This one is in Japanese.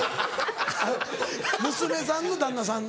娘さんの旦那さん？